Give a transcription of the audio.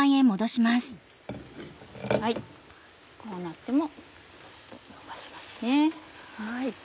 こうなってものばしますね。